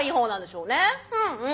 うんうん。